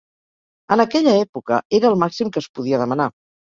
En aquella època, era el màxim que es podia demanar.